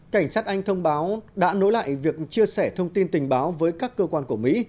cảnh sát anh thông báo đã nối lại việc chia sẻ thông tin tình báo với các cơ quan của mỹ